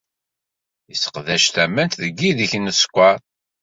Yesseqdac tamemt deg yideg n uskeṛ.